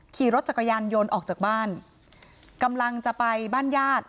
ขี่รถจักรยานยนต์ออกจากบ้านกำลังจะไปบ้านญาติ